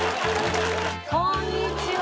こんにちは。